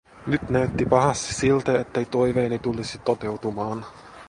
Nyt näytti pahasti siltä, ettei toiveeni tulisi toteutumaan.